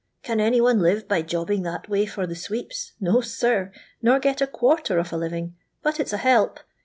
Can any one live by jobbing that way for the sweeps? No, sir, nor get a quarter of a living; but it 's a help.